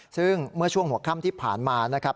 ซึ่งเมื่อช่วงหัวค่ำที่ผ่านมานะครับ